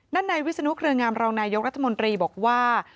หน้านายวิสนุกเกลงงามรองนายโยครัฐมนตรีบอกว่า